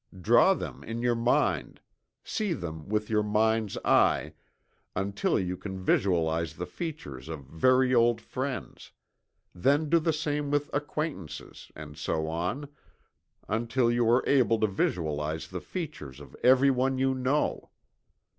Draw them in your mind see them with your mind's eye, until you can visualize the features of very old friends; then do the same with acquaintances, and so on, until you are able to visualize the features of every one you "know."